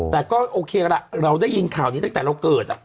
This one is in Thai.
แต่ก็โอเคละเราได้ยินข่าวนี้ตั้งแต่เราเกิด